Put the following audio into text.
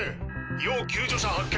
要救助者発見。